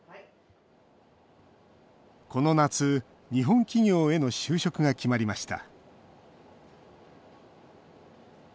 この夏日本企業への就職が決まりました